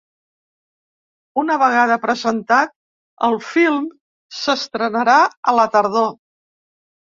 Una vegada presentat, el film s’estrenarà a la tardor.